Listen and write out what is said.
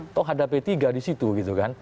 atau ada p tiga di situ gitu kan